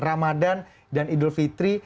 ramadan dan idul fitri